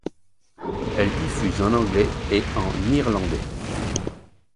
Elle diffuse en anglais et en irlandais.